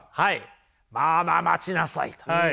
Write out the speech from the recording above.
まあまあ待ちなさいと。